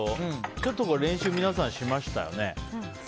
ちょっと皆さん練習しましたよね。